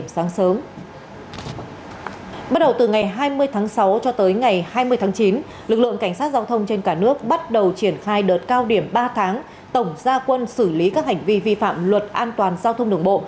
bắt đầu từ ngày hai mươi tháng sáu cho tới ngày hai mươi tháng chín lực lượng cảnh sát giao thông trên cả nước bắt đầu triển khai đợt cao điểm ba tháng tổng gia quân xử lý các hành vi vi phạm luật an toàn giao thông đường bộ